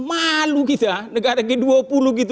malu kita negara g dua puluh gitu